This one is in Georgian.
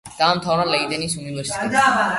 დაამთავრა ლეიდენის უნივერსიტეტი.